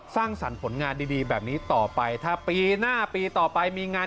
สร้างสรรค์ผลงานดีแบบนี้ต่อไปถ้าปีหน้าปีต่อไปมีงาน